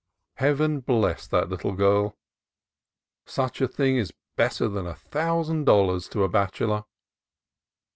Heaven bless that little girl! Such a thing is better than a thousand dollars to a bachelor.